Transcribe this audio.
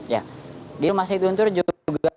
ya di rumah sakit guntur juga menampung beberapa korban selamat